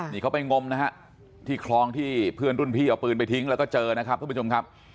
นี่เขาไปงมนะฮะที่คลองที่เพื่อนรุ่นพี่เอาปืนไปทิ้งแล้วก็เจอนะครับทุกผู้ชมครับ